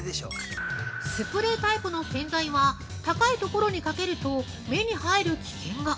スプレータイプの洗剤は高いところにかけると、目に入る危険が。